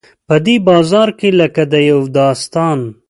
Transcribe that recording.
په دې بازار کې لکه د یو داستان.